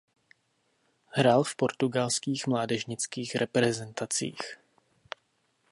Hrál v portugalských mládežnických reprezentacích.